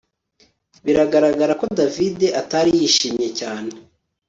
Biragaragara ko David atari yishimye cyane